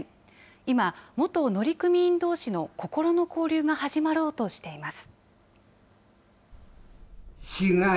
今、元乗組員どうしの心の交流が始まろうとしています。